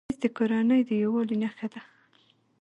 مېز د کورنۍ د یووالي نښه ده.